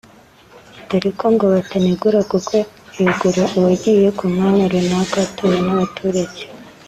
dore ko ngo batanegura kuko hegura uwagiye ku mwanya runaka atowe n’abaturage